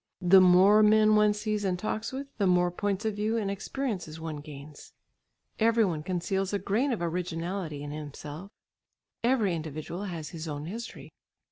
The more men one sees and talks with, the more points of view and experiences one gains. Every one conceals a grain of originality in himself, every individual has his own history.